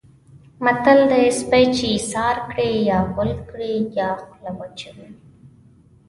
متل دی: سپی چې ایسار کړې یا غول کړي یا خوله اچوي.